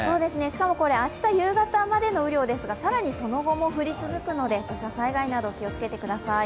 しかもこれ、明日夕方までの雨量ですが、更にその後も降り続くので土砂災害など気をつけてください。